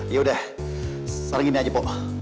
yaudah sekarang gini aja pok